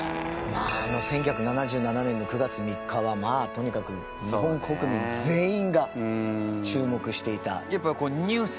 １９７７年の９月３日はまあとにかく日本国民全員が注目していた。